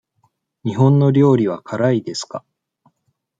日本の料理は辛いですか。